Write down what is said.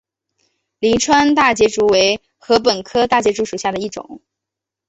灵川大节竹为禾本科大节竹属下的一个种。